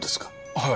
はい。